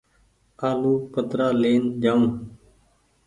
آلو ڪترآ لين جآئو۔